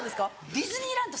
ディズニーランド